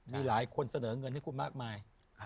มีหลายคนเสนอเงินให้คุณมากมาย